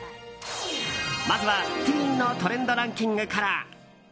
まずは、ティーンのトレンドランキングから。